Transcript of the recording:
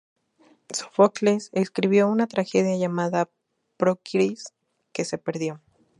Sófocles escribió una tragedia llamada "Procris", que se perdió.